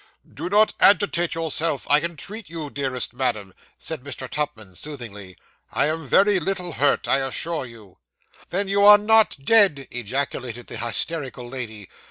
'Do not agitate yourself, I entreat you, dearest madam,' said Mr. Tupman soothingly. 'I am very little hurt, I assure you.' 'Then you are not dead!' ejaculated the hysterical lady.